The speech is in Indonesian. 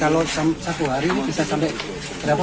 kalau satu pohon bisa sampai berapa